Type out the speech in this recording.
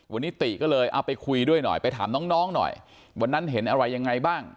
วันนี้ติก็เลยเอาไปคุยด้วยหน่อยไปถามน้องน้องหน่อยวันนั้นเห็นอะไรยังไงบ้าง